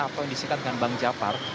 atau yang disikat dengan bank jafar